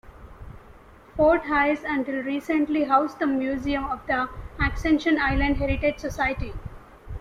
Fort Hayes until recently housed the museum of the Ascension Island Heritage Society.